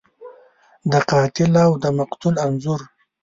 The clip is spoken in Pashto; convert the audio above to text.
د قاتل او د مقتول انځور